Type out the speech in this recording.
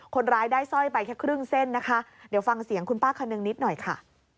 คนร้ายได้สร้อยไปแค่ครึ่งเส้นนะคะเดี๋ยวฟังเสียงคุณป้าคนนึงนิดหน่อยค่ะ